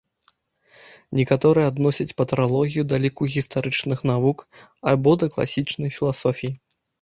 Некаторыя адносяць патралогію да ліку гістарычных навук або да класічнай філасофіі.